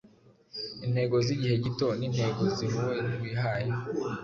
Intego zigihe gito nintego zihue wihaye